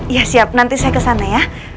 iya siap nanti saya ke sana ya